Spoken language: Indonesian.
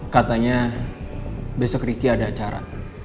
katanya besok ricky ada acara